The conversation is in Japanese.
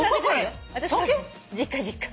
実家実家。